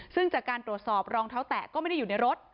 ซึ่งจากการตรวจสอบรองเท้าแตะก็ไม่ได้อยู่ในรถ